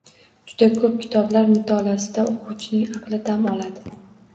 Juda koʻp kitoblar mutolaasida oʻquvchining aqli dam oladi